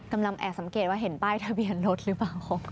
กำลังแอบสังเกตว่าเห็นป้ายทะเบียนรถหรือเปล่า